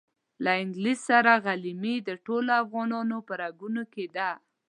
د انګلیس سره غلیمي د ټولو افغانانو په رګونو کې ده.